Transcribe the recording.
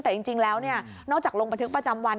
แต่จริงแล้วนอกจากลงบันทึกประจำวัน